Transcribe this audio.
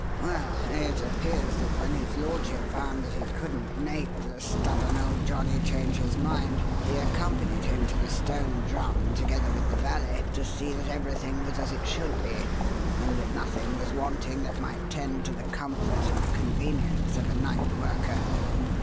"Well, it appears that when his lordship found that he couldn't make the stubborn old johnnie change his mind, he accompanied him to the Stone Drum, together with the valet, to see that everything was as it should be, and that nothing was wanting that might tend to the comfort and convenience of a night worker.